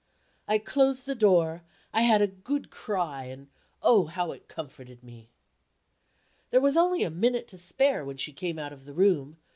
I closed the door, I had a good cry; and, oh, how it comforted me! There was only a minute to spare when she came out of the room.